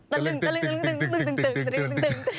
ตะลึงตึง